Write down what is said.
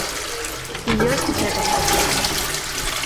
І ёсць гэтак цяпер.